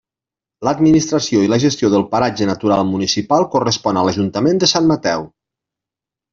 L'administració i la gestió del paratge natural municipal correspon a l'Ajuntament de Sant Mateu.